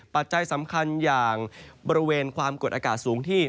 ปัจจัยสำคัญอย่างบริเวณความกดอากาศสูงที่